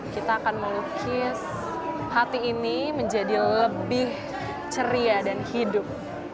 kita akan melukis hati ini menjadi lebih ceria dan hidup